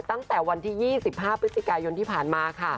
ตั้งแต่วันที่๒๕พฤศจิกายนที่ผ่านมาค่ะ